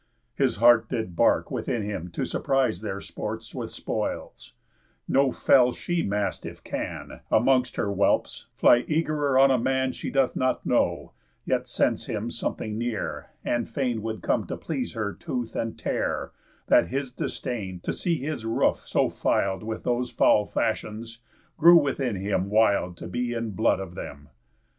His heart did bark within him to surprise Their sports with spoils; no fell she mastiff can, Amongst her whelps, fly eag'rer on a man She doth not know, yet scents him something near, And fain would come to please her tooth, and tear, Than his disdain, to see his roof so fil'd With those foul fashions, grew within him wild To be in blood of them.